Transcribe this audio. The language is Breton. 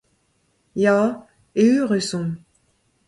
Ya, eürus omp.